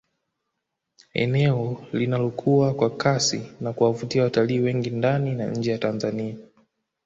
Eneo linalokua kwa kasi na kuwavutia watalii wengi ndani na nje ya Tanzania